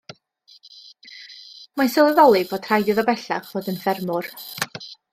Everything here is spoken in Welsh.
Mae'n sylweddoli bod rhaid iddo bellach ddod yn ffermwr.